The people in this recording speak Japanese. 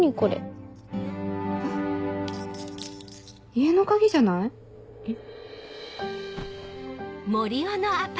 家の鍵じゃない？えっ？